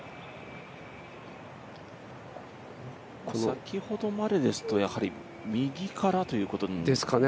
先ほどまでですと右からということになりますかね。